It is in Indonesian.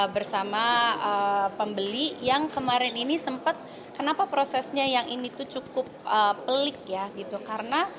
bersama pembeli yang kemarin ini sempat kenapa prosesnya yang ini tuh cukup pelik ya gitu karena